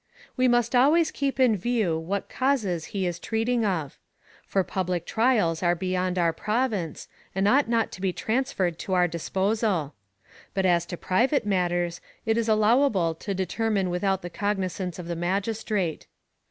We must always keep in view what causes he is treat ing of ; for public trials are beyond our province, and ought not to be transferred to our disposal ; but as to private mat ters it is allowable to determine without the cognizance of the magistrate.